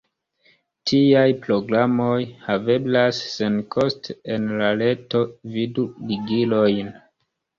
Tiaj programoj haveblas senkoste en la reto, vidu ligilojn.